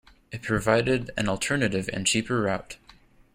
It provided an alternative and cheaper route.